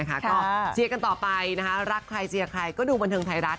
ก็เชียกันต่อรักใครเชียกใครดูบรรเทิงไทยรัฐ